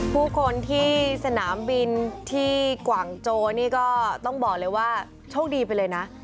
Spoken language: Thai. ผู้คนที่สนามบินที่กว่างโจนี่ก็ต้องบอกเลยว่าโชคดีไปเลยนะ